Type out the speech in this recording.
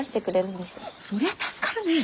そりゃ助かるねえ！